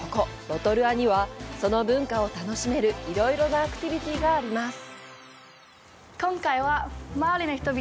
ロトルアには、その文化を楽しめるいろいろなアクティビティがあります。